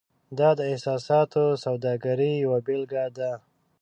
دا د احساساتو سوداګرۍ یوه بیلګه ده.